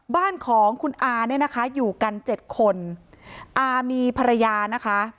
บ้านของคุณอาเนี่ยนะคะอยู่กันเจ็ดคนอามีภรรยานะคะ